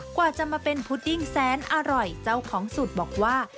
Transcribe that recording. กว่าจะมาเป็นพุดดิ้งแสนอร่อยเจ้าของสูตรบอกว่า